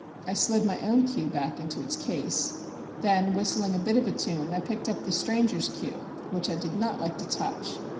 I slid my own cue back into its case. Then, whistling a bit of a tune, I picked up the stranger's cue, which I did not like to touch.